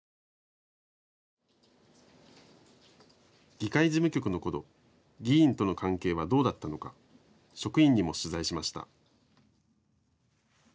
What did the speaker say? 議会事務局のころ議員との関係はどうだったのか職員にも取材しました。